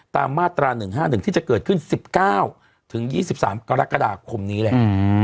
ตามมาตรา๑๕๑ที่จะเกิดขึ้น๑๙๒๓กรกฎาคมนี้แหละ